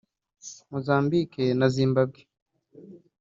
Mozambique na Zimbabwe